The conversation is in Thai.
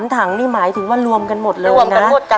๑๓ทั้งมีหมายถึงว่ารวมกันหมดเลยนะ